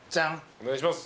お願いします。